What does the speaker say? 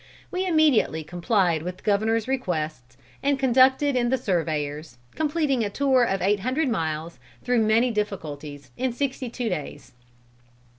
We immediately complied with the Governor's request, and conducted in the surveyors, completing a tour of eight hundred miles, through many difficulties, in sixty two days."